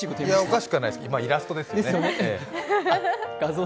おかしくはないです、まぁ、イラストですよね。